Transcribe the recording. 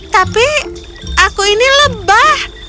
tapi aku ini lebah